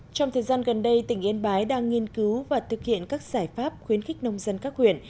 trong thời gian gần đây tỉnh yên bái đang nghiên cứu và thực hiện các giải pháp khuyến khích nông dân các huyện